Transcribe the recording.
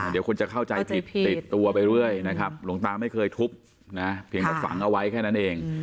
เดี๋ยวคนจะเข้าใจผิดติดตัวไปเรื่อยนะครับหลวงตาไม่เคยทุบนะเพียงแต่ฝังเอาไว้แค่นั้นเอง